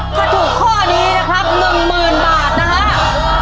ถูกข้อนี้นะครับหนึ่งหมื่นบาทนะคะ